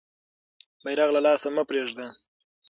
بیرغ له لاسه مه پرېږده.